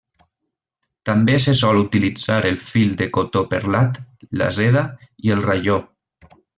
També se sol utilitzar el fil de cotó perlat, la seda i el raió.